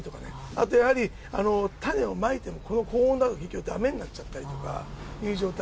あとやはり、種をまいても、この高温だと結局だめになっちゃったりとかいう状態。